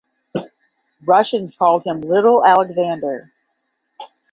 Russians called him Little Alexander.